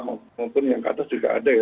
maupun yang ke atas juga ada ya